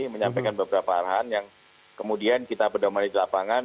menyampaikan beberapa arahan yang kemudian kita pedomani di lapangan